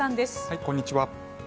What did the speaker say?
こんにちは。